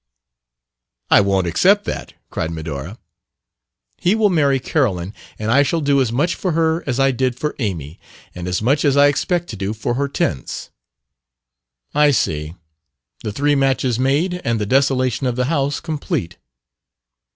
'" "I won't accept that!" cried Medora. "He will marry Carolyn, and I shall do as much for her as I did for Amy, and as much as I expect to do for Hortense." "I see. The three matches made and the desolation of the house complete."